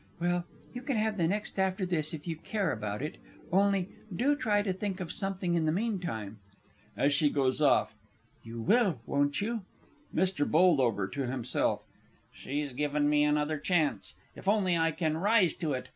_) Well, you can have the next after this if you care about it only do try to think of something in the meantime! (As she goes off.) You will won't you? MR. B. (to himself). She's given me another chance! If only I can rise to it.